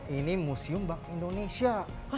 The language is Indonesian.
ini museum bank indonesia